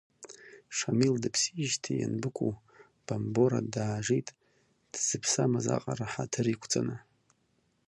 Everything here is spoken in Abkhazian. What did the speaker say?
Шамил дыԥсижьҭеи ианбыкәу, Бомбора даажит дзыԥсамыз аҟара ҳаҭыр иқәҵаны!